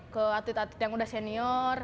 ke atlet atlet yang udah senior